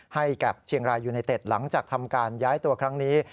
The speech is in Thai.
ให้กับเชียงรายยูไนเต็ดหลังจากทำการย้ายตัวครั้งนี้